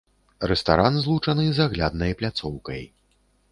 Рэстаран злучаны з агляднай пляцоўкай.